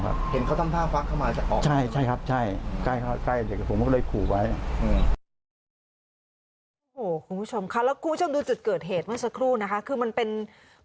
มันเป็นทางเข้าหมู่บ้างมันเป็นทางเข้าหมู่บ้าง